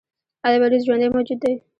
ایا ویروس ژوندی موجود دی؟